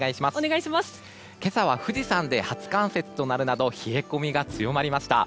今朝は富士山で初冠雪となるなど冷え込みが強まりました。